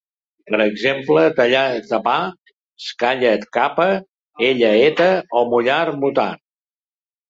Per exemple tallar-tapar, calla-capa, ella-eta o mullar-mutar.